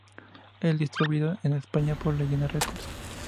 Es distribuido en España por Leyenda Records.